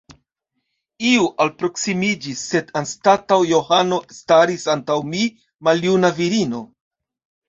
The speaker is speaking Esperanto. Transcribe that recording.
Iu alproksimiĝis, sed anstataŭ Johano staris antaŭ mi maljuna virino.